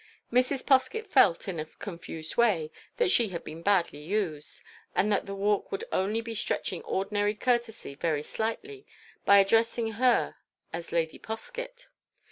Mrs. Poskett felt, in a confused way, that she had been badly used, and that the Walk would only be stretching ordinary courtesy very slightly by addressing her as Lady Poskett.